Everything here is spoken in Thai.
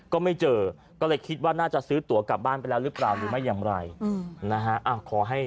ก็ไม่เจอก็เลยคิดว่าน่าจะซื้อตัวกลับบ้านไปแล้วหรือเปล่าหรือไม่อย่างไรนะฮะ